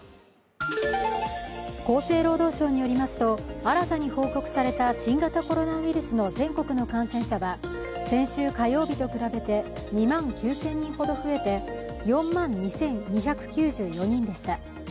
厚生労働省によりますと新たに報告された新型コロナウイルスの全国の感染者は全国の感染者は先週火曜日と比べて２万９０００人ほど増えて４万２２９４人でした。